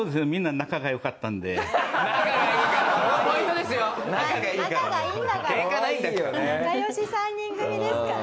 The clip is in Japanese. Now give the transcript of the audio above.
仲良し３人組ですから。